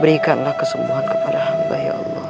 berikanlah kesembuhan kepada hamba ya allah